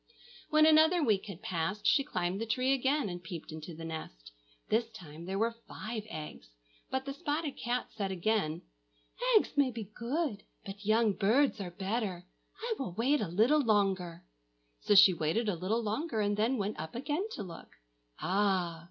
When another week had passed, she climbed the tree again and peeped into the nest. This time there were five eggs. But the spotted cat said again, "Eggs may be good, but young birds are better. I will wait a little longer!" So she waited a little longer and then went up again to look. Ah!